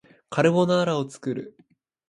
カルボナーラを作る